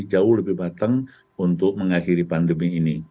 jauh lebih batang untuk mengakhiri pandemi ini